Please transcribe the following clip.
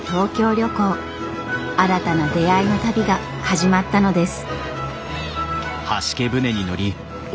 新たな出会いの旅が始まったのです。